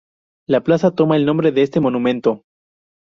La plaza toma el nombre de este monumento.